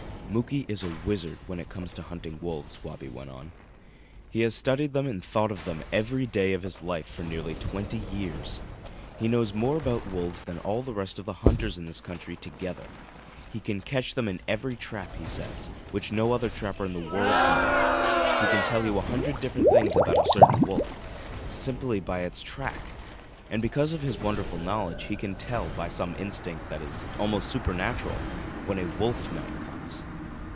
"Muky is a wizard when it comes to hunting wolves," Wabi went on. "He has studied them and thought of them every day of his life for nearly twenty years. He knows more about wolves than all the rest of the hunters in this country together. He can catch them in every trap he sets, which no other trapper in the world can do; he can tell you a hundred different things about a certain wolf simply by its track, and because of his wonderful knowledge he can tell, by some instinct that is almost supernatural, when a 'wolf night' comes.